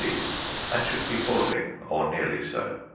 c., and should be boiling or nearly so.